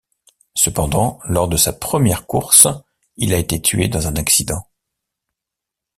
Cependant, lors de sa première course, il a été tué dans un accident.